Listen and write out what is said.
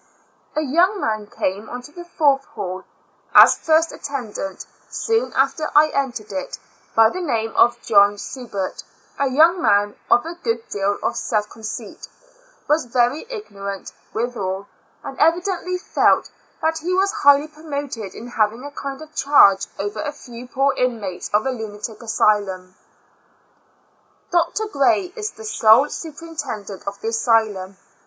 A young man came on to the fourth hall, as first attendant, soon after I entered it, by the name of John Subert; a young man of a good deal of self conceit; was very ignorant withal, and evidently felt that he was highly promoted in having a kind of charge over a few poor inmates of a lunatic asylum. Doctor Gray is the sole superintendent of the asylum.'